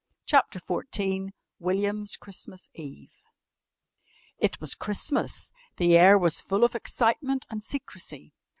CHAPTER XIV WILLIAM'S CHRISTMAS EVE It was Christmas. The air was full of excitement and secrecy.